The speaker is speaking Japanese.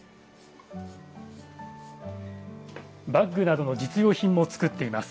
バッグなどの実用品も作っています。